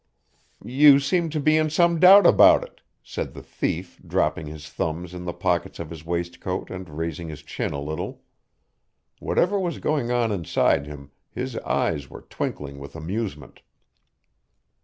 "You seem to be in some doubt about it," said the thief, dropping his thumbs in the pockets of his waistcoat and raising his chin a little. Whatever was going on inside him, his eyes were twinkling with amusement.